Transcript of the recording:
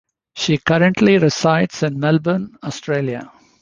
She currently resides in Melbourne, Australia.